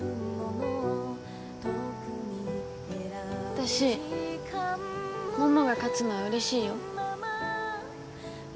私ももが勝つのはうれしいよ。